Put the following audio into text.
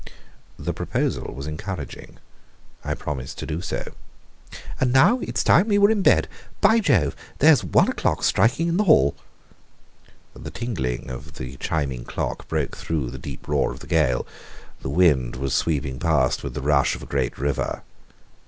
The proposal was encouraging. I promised to do so. "And now it's time we were in bed. By Jove, there's one o'clock striking in the hall." The tingling of the chiming clock broke through the deep roar of the gale. The wind was sweeping past with the rush of a great river.